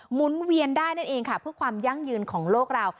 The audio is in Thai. หมุนเวียนได้นั่นเองค่ะเพื่อความยั่งยืนของโลกเรา